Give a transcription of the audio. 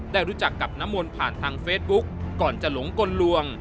ได้รู้จักกับน้ำมนต์ผ่านทางเฟซบุ๊กก่อนจะหลงกลลวง